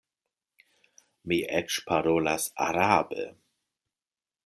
Mi eĉ parolas arabe.